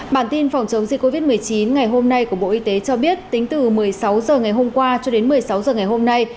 bản tin phòng chống dịch covid một mươi chín ngày hôm nay của bộ y tế cho biết tính từ một mươi sáu h ngày hôm qua cho đến một mươi sáu h ngày hôm nay